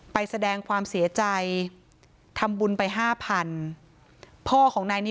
ไปแสดงความเสียใจทำบุญไปที่๕๐๐๐